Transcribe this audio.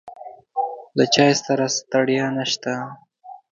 له چای سره ستړیا نشته.